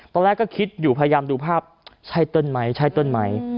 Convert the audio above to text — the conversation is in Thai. ตอนแรกก็คิดอยู่พยายามดูภาพใช่ต้นไม้ใช่ต้นไม้